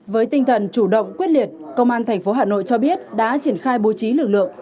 với tinh thần chủ động quyết liệt công an tp hà nội cho biết đã triển khai bố trí lực lượng